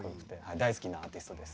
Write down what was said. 大好きなアーティストです。